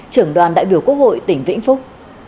trưởng đoàn đại biểu quốc hội tỉnh vĩnh phúc